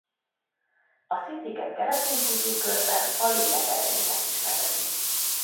A sziddhiket keresztény kultúrkörben a Lélek erejének is nevezik.